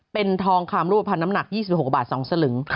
เป็นทองคำรูปภัณฑ์น้ำหนัก๒๖บาท๒สลึง